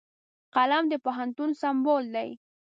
قلم د پوهنتون سمبول دی